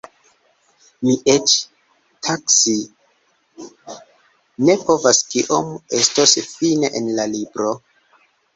Mi eĉ taksi ne povas kiom estos fine en la libro.